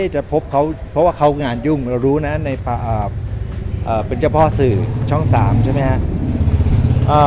จะพบเขาเพราะว่าเขางานยุ่งเรารู้นะเป็นเจ้าพ่อสื่อช่อง๓ใช่ไหมครับ